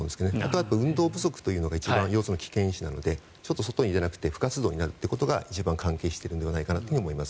あと運動不足というのが腰痛の危険因子なので外に出なくて不活動になるということが一番関係しているのではないかなと思います。